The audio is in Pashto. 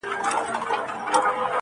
د نغري غاړو ته هواري دوې کمبلي زړې،